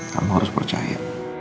kamu harus percaya